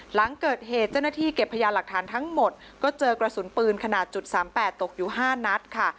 หลังเกิดเหตุเจ้าหน้าที่เก็บพยานหลักฐานทั้งหมดก็เจอกระสุนปืนขนาด๓๘ตกอยู่๕นัดค่ะ